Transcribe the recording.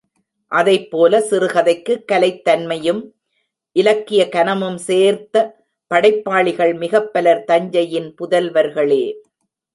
அதைப்போல சிறுகதைக்குக் கலைத் தன்மையும் இலக்கிய கனமும் சேர்த்த படைப்பாளிகள் மிகப்பலர் தஞ்சையின் புதல்வர்களே.